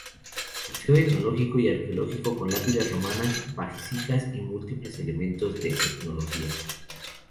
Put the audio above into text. Museo Etnológico y Arqueológico con lápidas romanas, vasijas y múltiples elementos de etnología.